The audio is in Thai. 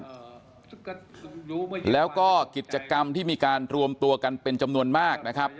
ให้ทำงานที่บ้านแล้วก็กิจกรรมที่มีการรวมตัวกันเป็นจำนวนมากนะครับ